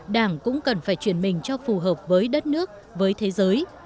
đảng cũng cần phải chuyển mình cho phù hợp với đất nước với thế giới